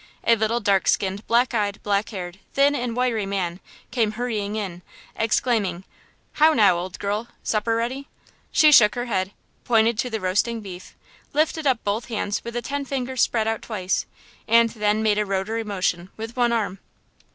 A little dark skinned, black eyed, black haired, thin and wiry man came hurrying in, exclaiming: "How now, old girl–supper ready!" She shook her head, pointed to the roasting beef, lifted up both hands with the ten fingers spread out twice, and then made a rotary motion with one arm.